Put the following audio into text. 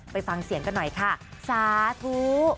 ไปฟังเสียงกันหน่อยค่ะสาธุ